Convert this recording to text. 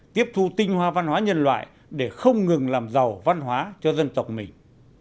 tiếp thu tinh hoa văn hóa nhân loại để không ngừng làm giàu văn hóa cho dân tộc mình